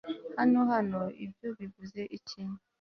Hano Hano Ibyo bivuze iki